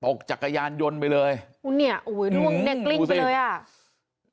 ตกจักรยานยนต์ไปเลยโอ้เนี่ยโอ้ยล่วงเน็กกลิ้นไปเลยอ่ะอืมดูสิ